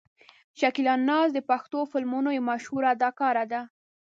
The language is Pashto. شکیلا ناز د پښتو فلمونو یوه مشهوره اداکاره ده.